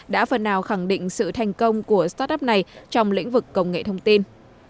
đã phần nào khẳng định sự thành công của startup này trong lĩnh vực công nghệ thông tin